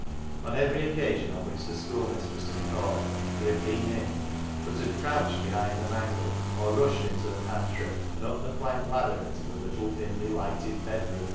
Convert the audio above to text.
" On every occasion on which the school mistress had called, he had been in, but had crouched behind the mangle, or rushed into the pantry, and up the plank ladder into the little dimly lighted bedroom under the thatch.